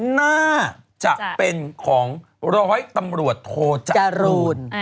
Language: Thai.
น่าจะเป็นของร้อยตำรวจโทจรูน